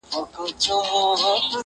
• د خوشحال پر لار چي نه درومي پښتونه,